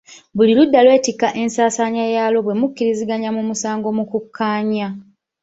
Buli ludda lwettikka ensasaanya yalwo bwe mu kiriziganya mu musango mu kukkaanya.